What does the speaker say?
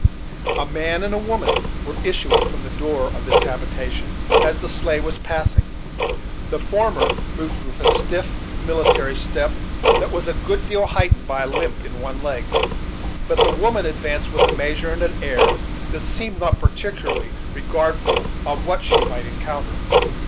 A man and a woman were issuing from the door of this habitation as the sleigh was passing, The former moved with a stiff, military step, that was a good deal heightened by a limp in one leg; but the woman advanced with a measure and an air that seemed not particularly regardful of what she might encounter.